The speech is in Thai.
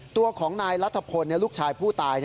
ตัวของนายรัฐพลลูกชายผู้ตาย